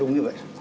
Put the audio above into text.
đúng như vậy